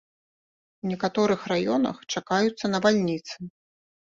У некаторых раёнах чакаюцца навальніцы.